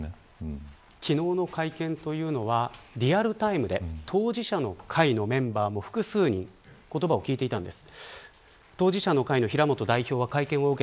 昨日の会見というのはリアルタイムで当事者の会のメンバーも複数人、言葉を聞いていたんです。